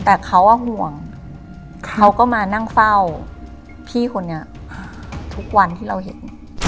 แต่เขาห่วงเขาก็มานั่งเฝ้าพี่คนนี้ทุกวันที่เราเห็น